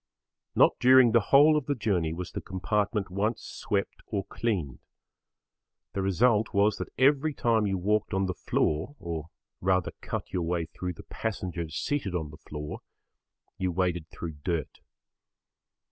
Not during the whole of the journey was the compartment once swept or cleaned. The result was that every time you walked on the floor or rather cut your way through the passengers seated on the floor, you waded through dirt.